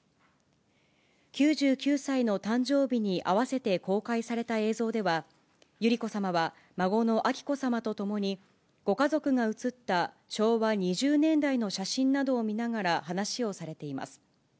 ９９歳の誕生日に合わせて公開された映像では、百合子さまは、孫の彬子さまと共に、ご家族が写った昭和２０年代の写真などを見ながら、話をされています。